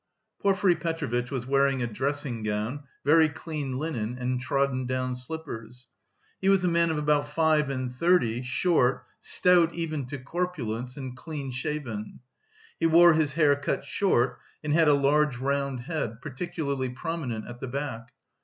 Porfiry Petrovitch was wearing a dressing gown, very clean linen, and trodden down slippers. He was a man of about five and thirty, short, stout even to corpulence, and clean shaven. He wore his hair cut short and had a large round head, particularly prominent at the back.